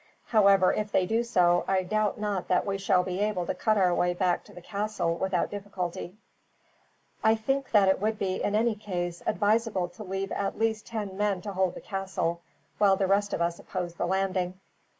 However, if they do so, I doubt not that we shall be able to cut our way back to the castle, without difficulty. "I think that it would be, in any case, advisable to leave at least ten men to hold the castle, while the rest of us oppose the landing."